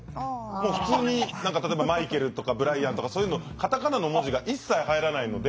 もう普通に何か例えばマイケルとかブライアンとかそういうのカタカナの文字が一切入らないので。